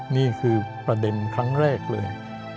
นี่คือประเด็นครั้งแรกเลย